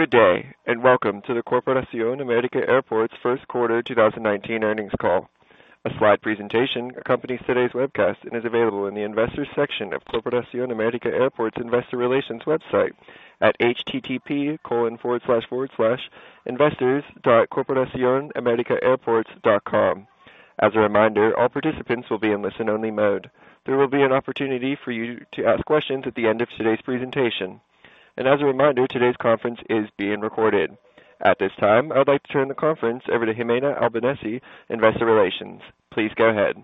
Good day, and welcome to the Corporación América Airports first quarter 2019 earnings call. A slide presentation accompanies today's webcast and is available in the Investors section of Corporación América Airports Investor Relations website at http://investors.corporacionamericaairports.com. As a reminder, all participants will be in listen-only mode. There will be an opportunity for you to ask questions at the end of today's presentation. As a reminder, today's conference is being recorded. At this time, I would like to turn the conference over to Gimena Albanesi, Investor Relations. Please go ahead.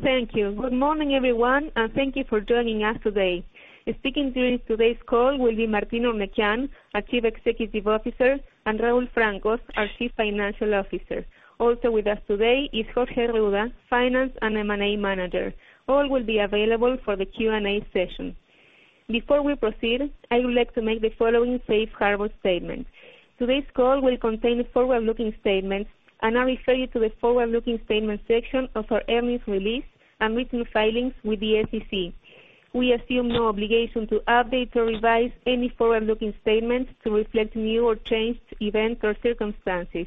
Thank you. Good morning, everyone, and thank you for joining us today. Speaking during today's call will be Martín Eurnekian, our Chief Executive Officer, and Raúl Francos, our Chief Financial Officer. Also with us today is Jorge Arruda, Finance and M&A Manager. All will be available for the Q&A session. Before we proceed, I would like to make the following safe harbor statement. Today's call will contain forward-looking statements, and I refer you to the forward-looking statements section of our earnings release and written filings with the SEC. We assume no obligation to update or revise any forward-looking statements to reflect new or changed events or circumstances.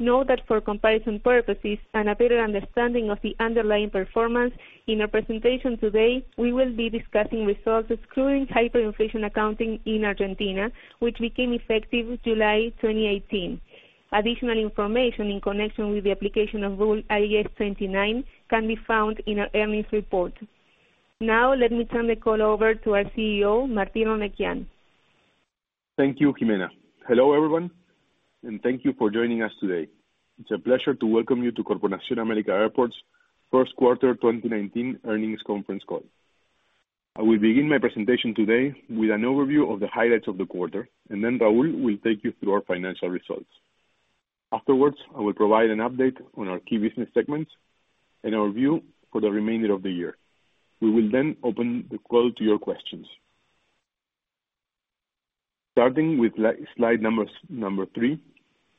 Note that for comparison purposes and a better understanding of the underlying performance, in our presentation today, we will be discussing results excluding hyperinflation accounting in Argentina, which became effective July 2018. Additional information in connection with the application of Rule IAS 29 can be found in our earnings report. Now, let me turn the call over to our CEO, Martín Eurnekian. Thank you, Gimena. Hello, everyone, and thank you for joining us today. It's a pleasure to welcome you to Corporación América Airports first quarter 2019 earnings conference call. I will begin my presentation today with an overview of the highlights of the quarter, and then Raúl will take you through our financial results. Afterwards, I will provide an update on our key business segments and our view for the remainder of the year. We will then open the call to your questions. Starting with slide number three,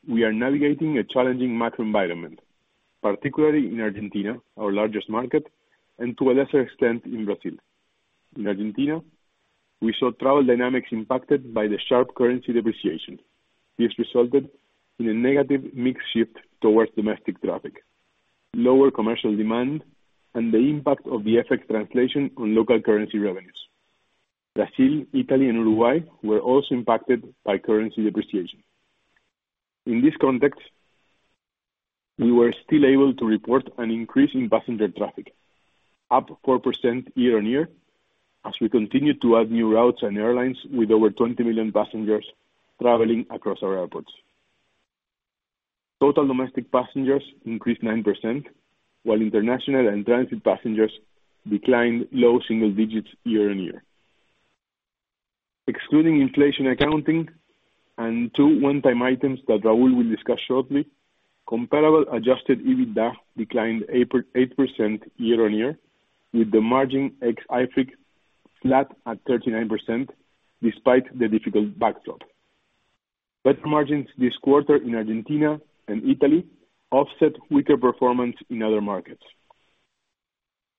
we are navigating a challenging macro environment, particularly in Argentina, our largest market, and to a lesser extent, in Brazil. In Argentina, we saw travel dynamics impacted by the sharp currency depreciation. This resulted in a negative mix shift towards domestic traffic, lower commercial demand, and the impact of the FX translation on local currency revenues. Brazil, Italy, and Uruguay were also impacted by currency depreciation. In this context, we were still able to report an increase in passenger traffic, up 4% year-on-year, as we continued to add new routes and airlines with over 20 million passengers traveling across our airports. Total domestic passengers increased 9%, while international and transit passengers declined low single digits year-on-year. Excluding inflation accounting and two one-time items that Raul will discuss shortly, comparable adjusted EBITDA declined 8% year-on-year, with the margin ex IFRIC flat at 39%, despite the difficult backdrop. Better margins this quarter in Argentina and Italy offset weaker performance in other markets.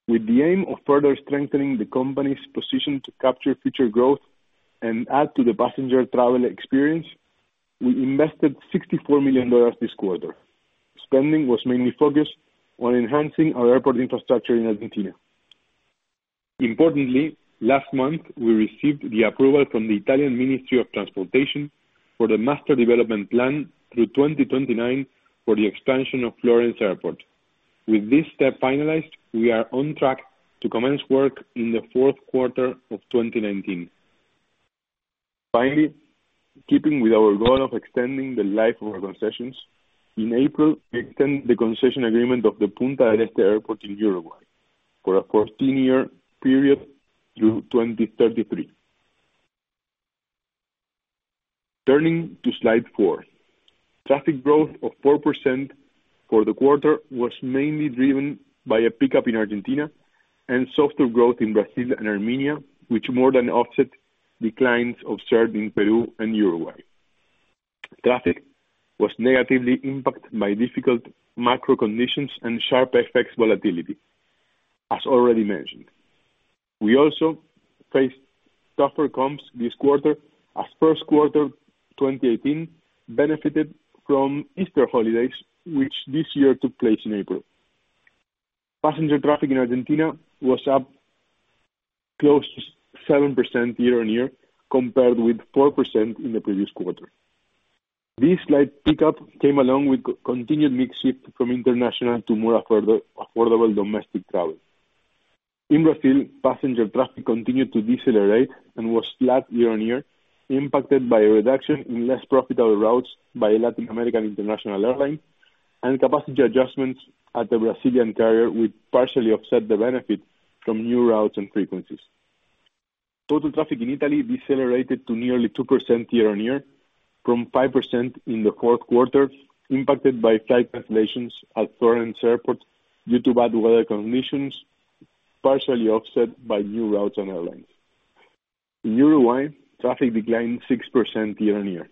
With the aim of further strengthening the company's position to capture future growth and add to the passenger travel experience, we invested $64 million this quarter. Spending was mainly focused on enhancing our airport infrastructure in Argentina. Importantly, last month, we received the approval from the Italian Ministry of Infrastructure and Transport for the master development plan through 2029 for the expansion of Florence Airport. With this step finalized, we are on track to commence work in the fourth quarter of 2019. Finally, keeping with our goal of extending the life of our concessions, in April, we extended the concession agreement of the Punta del Este Airport in Uruguay for a 14-year period through 2033. Turning to slide four. Traffic growth of 4% for the quarter was mainly driven by a pickup in Argentina and softer growth in Brazil and Armenia, which more than offset declines observed in Peru and Uruguay. Traffic was negatively impacted by difficult macro conditions and sharp FX volatility, as already mentioned. We also faced tougher comps this quarter as first quarter 2018 benefited from Easter holidays, which this year took place in April. Passenger traffic in Argentina was up close to 7% year-on-year, compared with 4% in the previous quarter. This slight pickup came along with continued mix shift from international to more affordable domestic travel. In Brazil, passenger traffic continued to decelerate and was flat year-on-year, impacted by a reduction in less profitable routes by Latin American international airlines and capacity adjustments at the Brazilian carrier, which partially offset the benefit from new routes and frequencies. Total traffic in Italy decelerated to nearly 2% year-on-year from 5% in the fourth quarter, impacted by flight cancellations at Florence Airport due to bad weather conditions, partially offset by new routes and airlines. In Uruguay, traffic declined 6% year-on-year,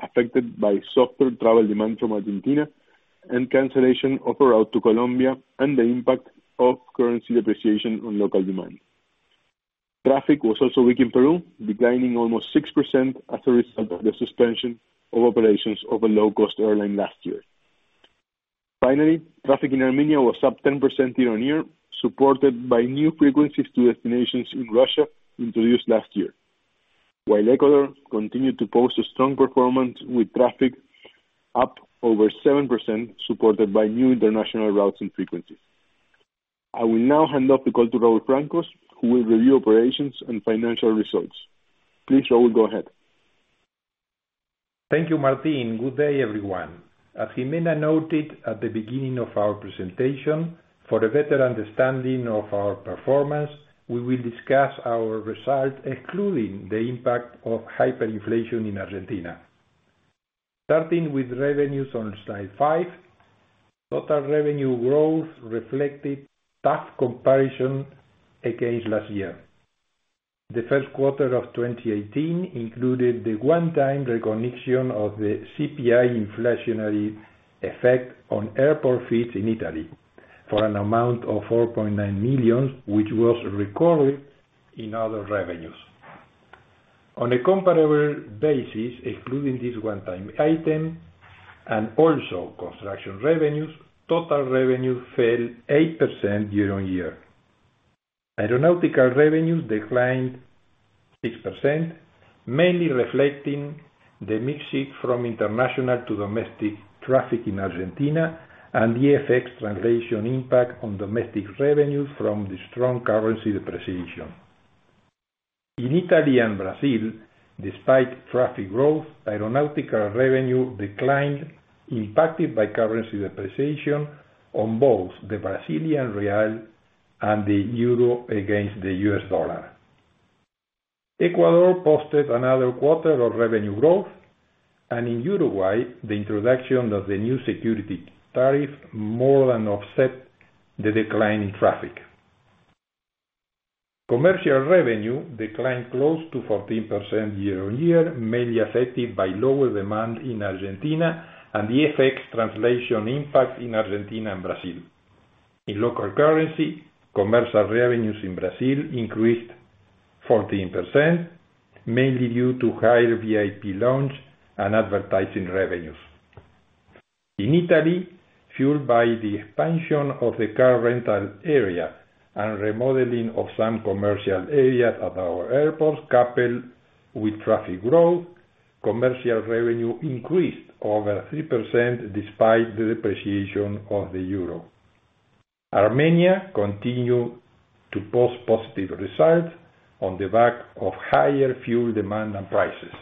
affected by softer travel demand from Argentina and cancellation of a route to Colombia and the impact of currency depreciation on local demand. Traffic was also weak in Peru, declining almost 6% as a result of the suspension of operations of a low-cost airline last year. Finally, traffic in Armenia was up 10% year-on-year, supported by new frequencies to destinations in Russia introduced last year, while Ecuador continued to post a strong performance, with traffic up over 7%, supported by new international routes and frequencies. I will now hand off the call to Raúl Francos, who will review operations and financial results. Please, Raúl, go ahead. Thank you, Martín. Good day, everyone. As Gimena noted at the beginning of our presentation, for a better understanding of our performance, we will discuss our results, excluding the impact of hyperinflation in Argentina. Starting with revenues on slide five, total revenue growth reflected tough comparison against last year. The first quarter of 2018 included the one-time recognition of the CPI inflationary effect on airport fees in Italy for an amount of $4.9 million, which was recorded in other revenues. On a comparable basis, excluding this one-time item and also construction revenues, total revenue fell 8% year-on-year. Aeronautical revenues declined 6%, mainly reflecting the mix shift from international to domestic traffic in Argentina and the FX translation impact on domestic revenues from the strong currency depreciation. In Italy and Brazil, despite traffic growth, aeronautical revenue declined, impacted by currency depreciation on both the Brazilian real and the euro against the US dollar. Ecuador posted another quarter of revenue growth, and in Uruguay, the introduction of the new security tariff more than offset the decline in traffic. Commercial revenue declined close to 14% year-on-year, mainly affected by lower demand in Argentina and the FX translation impact in Argentina and Brazil. In local currency, commercial revenues in Brazil increased 14%, mainly due to higher VIP lounge and advertising revenues. In Italy, fueled by the expansion of the car rental area and remodeling of some commercial areas at our airports, coupled with traffic growth, commercial revenue increased over 3%, despite the depreciation of the euro. Armenia continued to post positive results on the back of higher fuel demand and prices.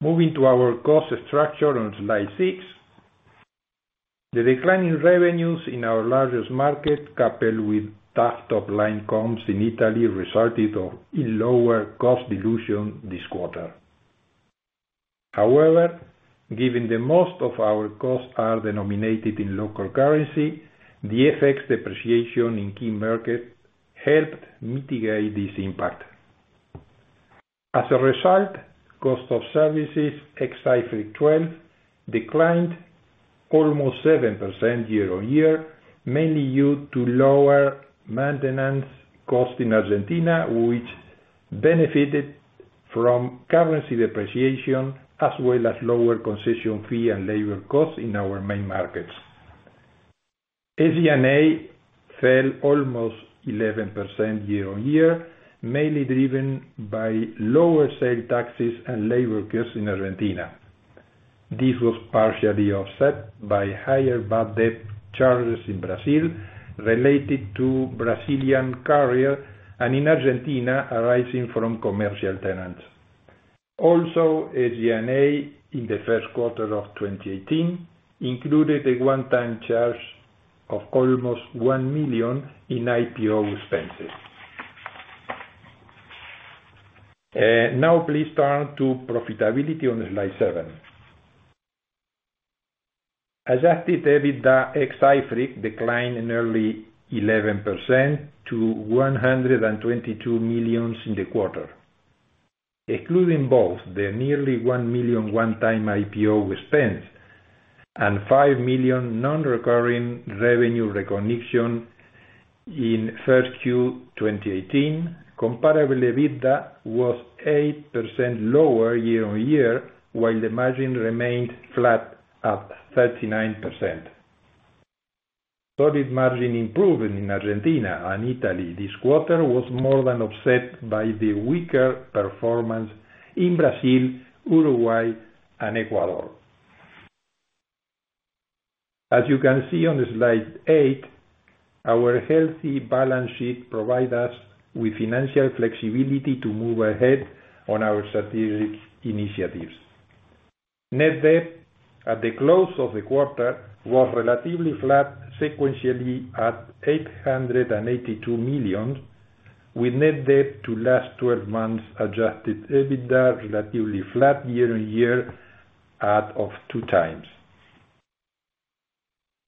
Moving to our cost structure on slide six, the decline in revenues in our largest market, coupled with tough top-line comps in Italy, resulted in lower cost dilution this quarter. However, given that most of our costs are denominated in local currency, the FX depreciation in key markets helped mitigate this impact. As a result, cost of services ex IFRIC 12 declined almost 7% year-on-year, mainly due to lower maintenance costs in Argentina, which benefited from currency depreciation, as well as lower concession fee and labor costs in our main markets. SG&A fell almost 11% year-on-year, mainly driven by lower sales taxes and labor costs in Argentina. This was partially offset by higher bad debt charges in Brazil related to Brazilian carrier, and in Argentina, arising from commercial tenants. Also, SG&A in the first quarter of 2018 included a one-time charge of almost $1 million in IPO expenses. Now, please turn to profitability on slide seven. Adjusted EBITDA ex IFRIC declined nearly 11% to $122 million in the quarter. Excluding both the nearly $1 million one-time IPO expense and $5 million non-recurring revenue recognition in first Q 2018, comparable EBITDA was 8% lower year-on-year, while the margin remained flat at 39%. Solid margin improvement in Argentina and Italy this quarter was more than offset by the weaker performance in Brazil, Uruguay, and Ecuador. As you can see on slide eight, our healthy balance sheet provide us with financial flexibility to move ahead on our strategic initiatives. Net debt at the close of the quarter was relatively flat sequentially at $882 million, with net debt to last 12 months adjusted EBITDA relatively flat year-on-year at two times.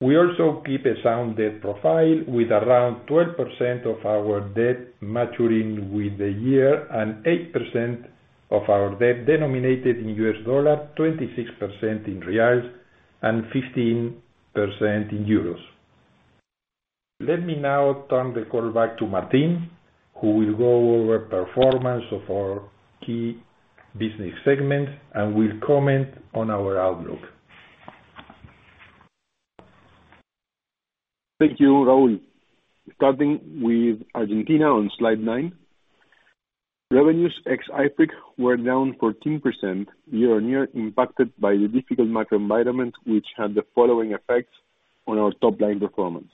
We also keep a sound debt profile with around 12% of our debt maturing with the year and 8% of our debt denominated in USD, 26% in BRL, and 15% in EUR. Let me now turn the call back to Martín, who will go over performance of our key business segments and will comment on our outlook. Thank you, Raúl. Starting with Argentina on slide nine. Revenues ex IFRIC were down 14% year-on-year impacted by the difficult macro environment, which had the following effects on our top-line performance.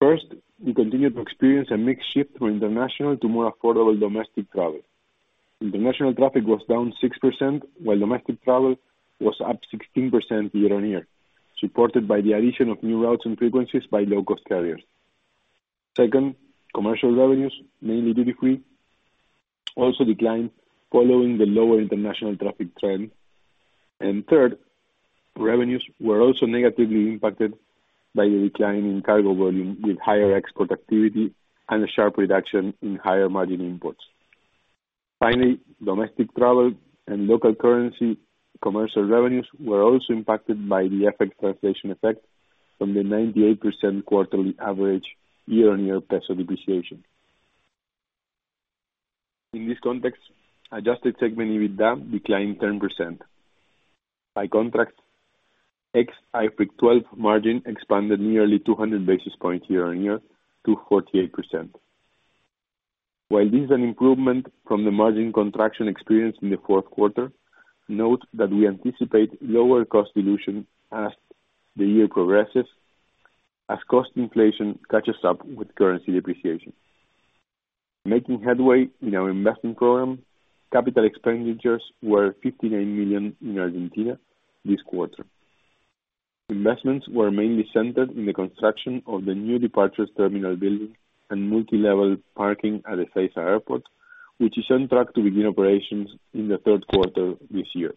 First, we continued to experience a mix shift from international to more affordable domestic travel. International traffic was down 6%, while domestic travel was up 16% year-on-year, supported by the addition of new routes and frequencies by low-cost carriers. Second, commercial revenues, mainly duty free, also declined following the lower international traffic trend. Third, revenues were also negatively impacted by the decline in cargo volume with higher export activity and a sharp reduction in higher margin imports. Finally, domestic travel and local currency commercial revenues were also impacted by the FX translation effect from the 98% quarterly average year-on-year ARS depreciation. In this context, adjusted segment EBITDA declined 10%. By contrast, ex IFRIC 12 margin expanded nearly 200 basis points year-on-year to 48%. While this is an improvement from the margin contraction experienced in the fourth quarter, note that we anticipate lower cost dilution as the year progresses, as cost inflation catches up with currency depreciation. Making headway in our investment program, capital expenditures were $59 million in Argentina this quarter. Investments were mainly centered in the construction of the new departures terminal building and multilevel parking at Ezeiza Airport, which is on track to begin operations in the third quarter this year.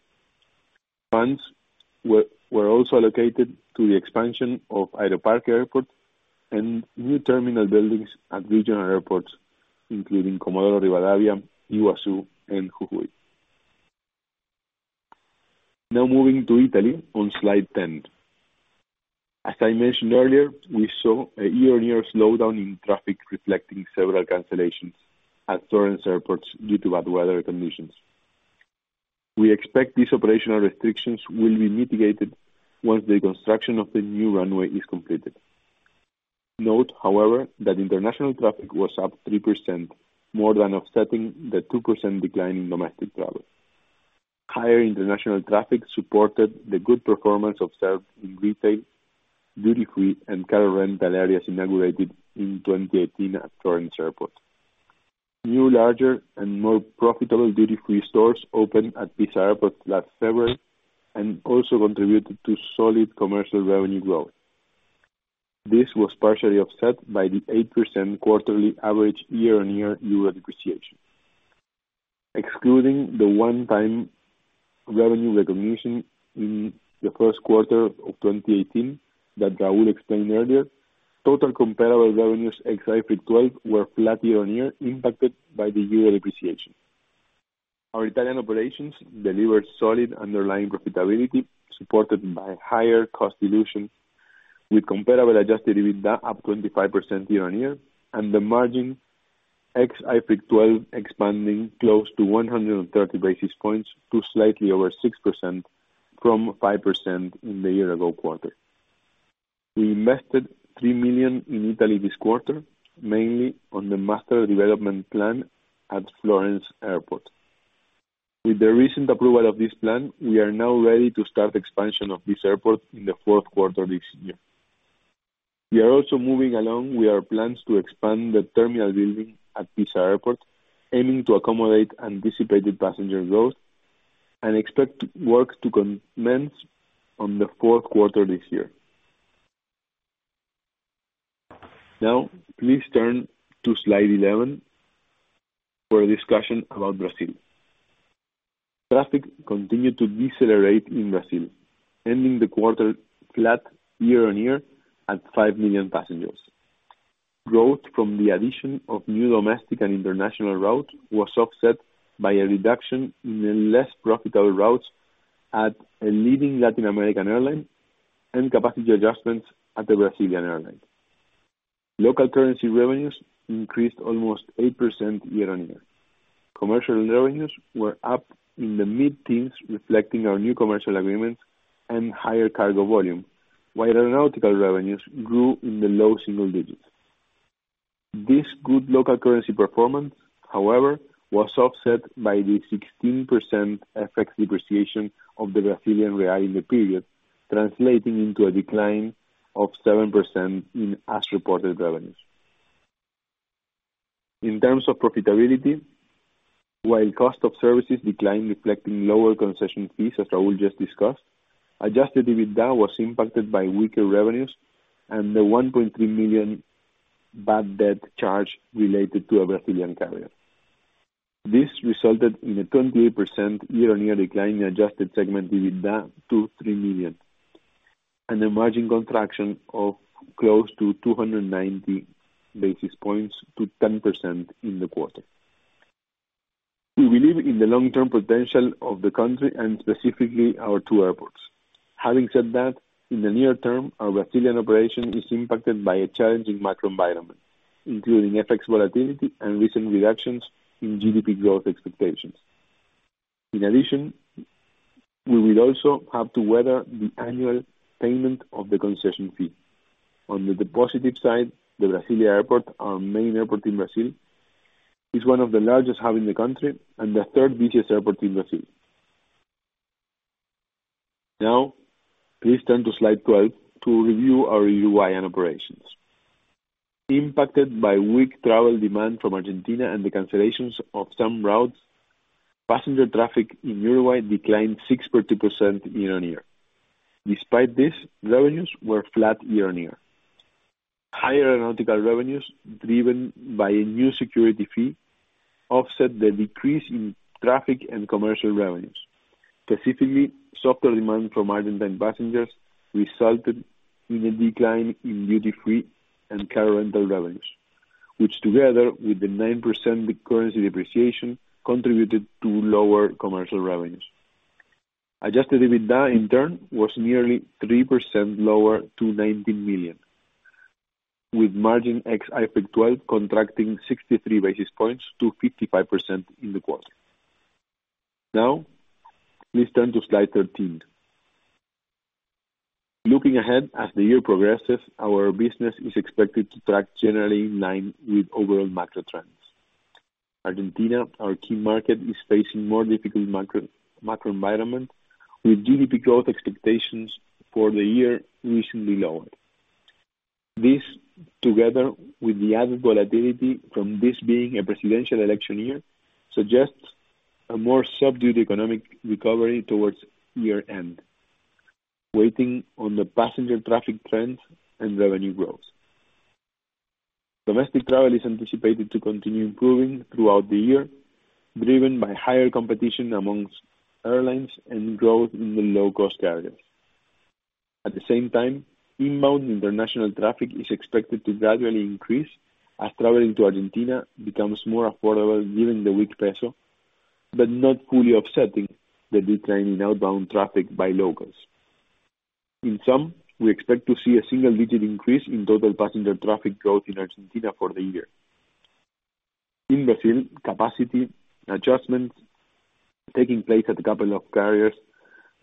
Funds were also allocated to the expansion of Aeroparque Airport and new terminal buildings at regional airports, including Comodoro Rivadavia, Iguazu, and Jujuy. Moving to Italy on slide 10. As I mentioned earlier, we saw a year-on-year slowdown in traffic reflecting several cancellations at Florence Airport due to bad weather conditions. We expect these operational restrictions will be mitigated once the construction of the new runway is completed. Note, however, that international traffic was up 3%, more than offsetting the 2% decline in domestic travel. Higher international traffic supported the good performance observed in retail, duty free, and car rental areas inaugurated in 2018 at Florence Airport. New, larger, and more profitable duty free stores opened at Pisa Airport last February and also contributed to solid commercial revenue growth. This was partially offset by the 8% quarterly average year-on-year EUR depreciation. Excluding the one-time revenue recognition in the first quarter of 2018 that Raúl explained earlier, total comparable revenues ex IFRIC 12 were flat year-on-year impacted by the EUR depreciation. Our Italian operations delivered solid underlying profitability supported by higher cost dilution, with comparable adjusted EBITDA up 25% year-on-year and the margin ex IFRIC 12 expanding close to 130 basis points to slightly over 6% from 5% in the year-ago quarter. We invested $3 million in Italy this quarter, mainly on the master development plan at Florence Airport. With the recent approval of this plan, we are now ready to start expansion of this airport in the fourth quarter this year. We are also moving along with our plans to expand the terminal building at Pisa Airport, aiming to accommodate anticipated passenger growth, and expect work to commence on the fourth quarter this year. Please turn to slide 11 for a discussion about Brazil. Traffic continued to decelerate in Brazil, ending the quarter flat year-on-year at 5 million passengers. Growth from the addition of new domestic and international routes was offset by a reduction in the less profitable routes at a leading Latin American airline and capacity adjustments at the Brazilian airline. Local currency revenues increased almost 8% year-on-year. Commercial revenues were up in the mid-teens, reflecting our new commercial agreements and higher cargo volume, while aeronautical revenues grew in the low single digits. This good local currency performance, however, was offset by the 16% FX depreciation of the Brazilian real in the period, translating into a decline of 7% in as-reported revenues. In terms of profitability, while cost of services declined reflecting lower concession fees, as Raúl just discussed, adjusted EBITDA was impacted by weaker revenues and the $1.3 million bad debt charge related to a Brazilian carrier. This resulted in a 28% year-on-year decline in adjusted segment EBITDA to $3 million, and a margin contraction of close to 290 basis points to 10% in the quarter. We believe in the long-term potential of the country and specifically our two airports. Having said that, in the near term, our Brazilian operation is impacted by a challenging macro environment, including FX volatility and recent reductions in GDP growth expectations. In addition, we will also have to weather the annual payment of the concession fee. On the positive side, the Brasilia Airport, our main airport in Brazil, is one of the largest hub in the country and the third busiest airport in Brazil. Please turn to slide 12 to review our Uruguayan operations. Impacted by weak travel demand from Argentina and the cancellations of some routes, passenger traffic in Uruguay declined 62% year-on-year. Despite this, revenues were flat year-on-year. Higher aeronautical revenues, driven by a new security fee, offset the decrease in traffic and commercial revenues. Specifically, softer demand from Argentine passengers resulted in a decline in duty-free and car rental revenues, which together with the 9% currency depreciation, contributed to lower commercial revenues. Adjusted EBITDA, in turn, was nearly 3% lower to $90 million, with margin ex IFRIC 12 contracting 63 basis points to 55% in the quarter. Please turn to slide 13. Looking ahead, as the year progresses, our business is expected to track generally in line with overall macro trends. Argentina, our key market, is facing more difficult macro environment, with GDP growth expectations for the year recently lowered. This, together with the added volatility from this being a presidential election year, suggests a more subdued economic recovery towards year-end, waiting on the passenger traffic trends and revenue growth. Domestic travel is anticipated to continue improving throughout the year, driven by higher competition amongst airlines and growth in the low-cost carriers. At the same time, inbound international traffic is expected to gradually increase as traveling to Argentina becomes more affordable given the weak peso, but not fully offsetting the decline in outbound traffic by locals. In sum, we expect to see a single-digit increase in total passenger traffic growth in Argentina for the year. In Brazil, capacity adjustments taking place at a couple of carriers,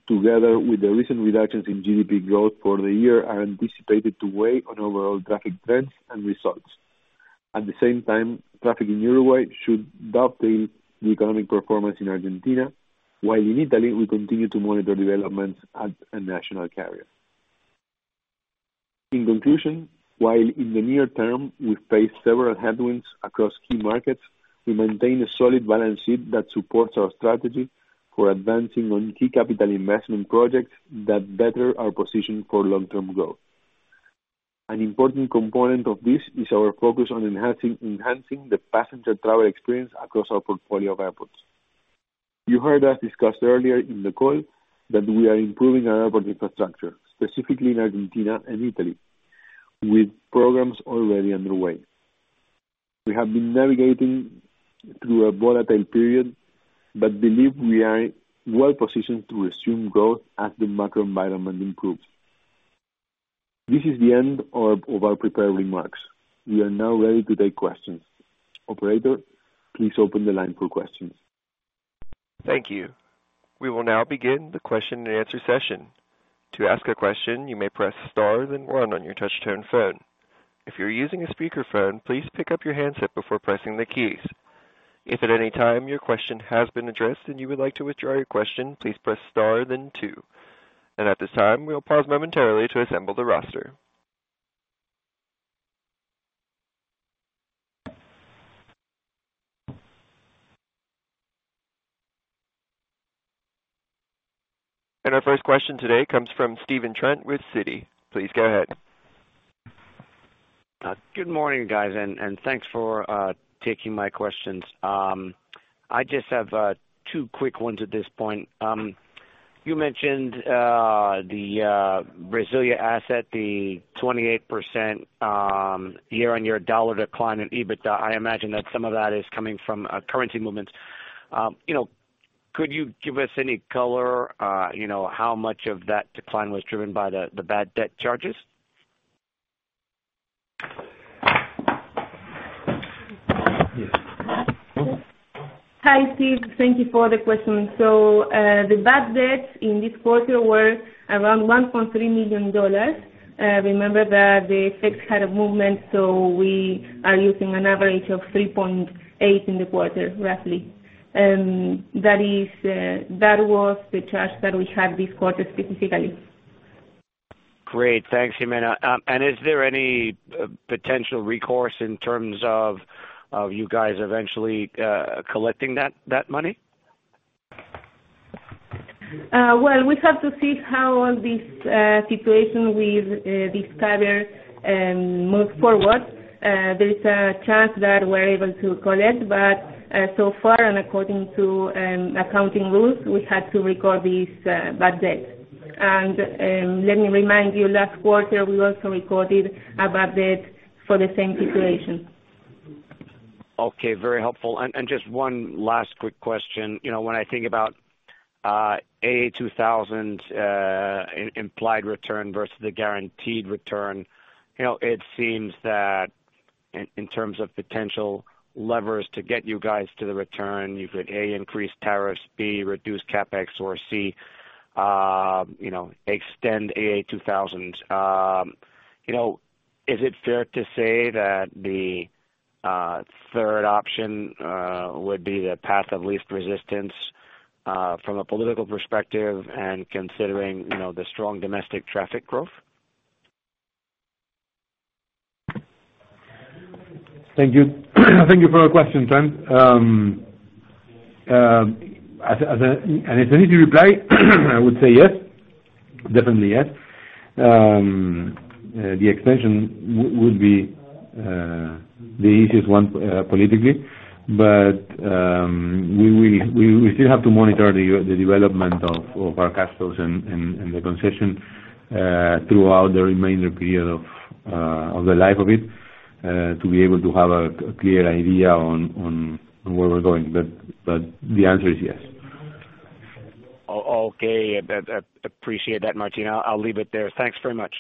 together with the recent reductions in GDP growth for the year, are anticipated to weigh on overall traffic trends and results. At the same time, traffic in Uruguay should dovetail the economic performance in Argentina, while in Italy, we continue to monitor developments at a national carrier. In conclusion, while in the near term we face several headwinds across key markets, we maintain a solid balance sheet that supports our strategy for advancing on key capital investment projects that better our position for long-term growth. An important component of this is our focus on enhancing the passenger travel experience across our portfolio of airports. You heard us discuss earlier in the call that we are improving our airport infrastructure, specifically in Argentina and Italy, with programs already underway. We have been navigating through a volatile period, but believe we are well positioned to resume growth as the macro environment improves. This is the end of our prepared remarks. We are now ready to take questions. Operator, please open the line for questions. Thank you. We will now begin the question and answer session. To ask a question, you may press star, then one on your touch-tone phone. If you're using a speakerphone, please pick up your handset before pressing the keys. If at any time your question has been addressed and you would like to withdraw your question, please press star, then two. At this time, we'll pause momentarily to assemble the roster. Our first question today comes from Stephen Trent with Citi. Please go ahead. Good morning, guys, and thanks for taking my questions. I just have two quick ones at this point. You mentioned the Brasilia asset, the 28% year-on-year dollar decline in EBITDA. I imagine that some of that is coming from currency movements. Could you give us any color, how much of that decline was driven by the bad debt charges? Hi, Stephen. Thank you for the question. The bad debts in this quarter were around $1.3 million. Remember that the effects had a movement, we are using an average of 3.8 in the quarter, roughly. That was the charge that we had this quarter, specifically. Great. Thanks, Gimena. Is there any potential recourse in terms of you guys eventually collecting that money? Well, we have to see how this situation with Discover moves forward. There is a chance that we're able to collect, so far, according to accounting rules, we had to record this bad debt. Let me remind you, last quarter, we also recorded a bad debt for the same situation. Okay. Very helpful. Just one last quick question. When I think about AA2000 implied return versus the guaranteed return, it seems that in terms of potential levers to get you guys to the return, you could, A, increase tariffs, B, reduce CapEx, or C, extend AA2000. Is it fair to say that the third option would be the path of least resistance from a political perspective and considering the strong domestic traffic growth? Thank you for the question, Trent. As an initial reply, I would say yes, definitely yes. The extension would be the easiest one politically, but we still have to monitor the development of our cash flows and the concession throughout the remainder period of the life of it, to be able to have a clear idea on where we're going. The answer is yes. Okay. Appreciate that, Martín. I'll leave it there. Thanks very much.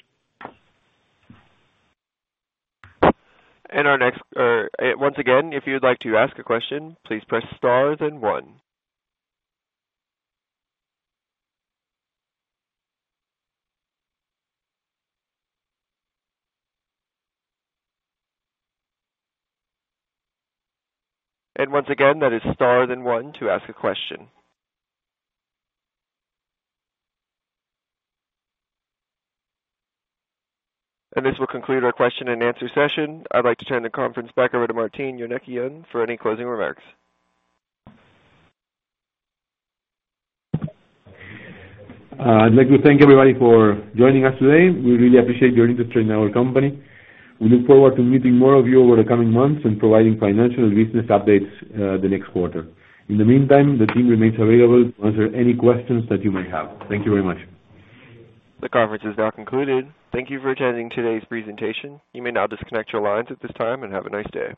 Once again, if you'd like to ask a question, please press star then one. Once again, that is star then one to ask a question. This will conclude our question and answer session. I'd like to turn the conference back over to Martín Eurnekian for any closing remarks. I'd like to thank everybody for joining us today. We really appreciate your interest in our company. We look forward to meeting more of you over the coming months and providing financial and business updates the next quarter. In the meantime, the team remains available to answer any questions that you may have. Thank you very much. The conference is now concluded. Thank you for attending today's presentation. You may now disconnect your lines at this time. Have a nice day.